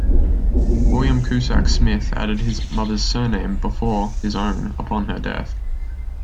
William Cusack-Smith added his mother's surname before his own upon her death.